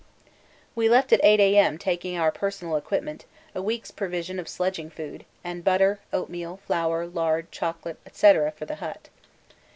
We left at 8 A.M., taking our personal equipment, a week's provision of sledging food, and butter, oatmeal, flour, lard, chocolate, &c., for the hut.